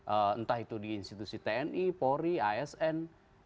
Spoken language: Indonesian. entah itu di institusi tni polri asn